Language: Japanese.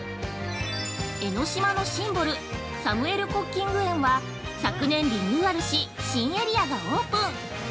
江の島のシンボルサムエル・コッキング苑は昨年リニューアルし新エリアがオープン。